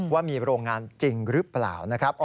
ว่ามีโรงงานจริงหรือเปล่านะครับ